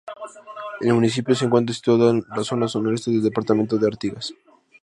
El municipio se encuentra situado en la zona noroeste del departamento de Artigas.